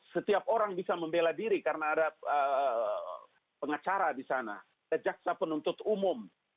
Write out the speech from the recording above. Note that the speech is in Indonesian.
setiap orang bisa membela diri karena ada pengacara di sana ada jaksa penuntut umum